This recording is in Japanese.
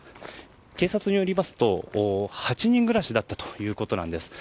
警察によりますと８人暮らしだったということです。